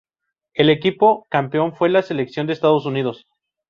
El equipo campeón fue la selección de Estados Unidos.